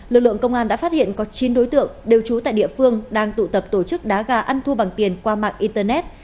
lực lượng công an đã phát hiện có chín đối tượng đều trú tại địa phương đang tụ tập tổ chức đá gà ăn thua bằng tiền qua mạng internet